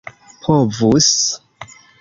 povus